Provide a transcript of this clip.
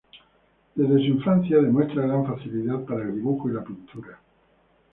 Desde su infancia demuestra gran facilidad para el dibujo y la pintura.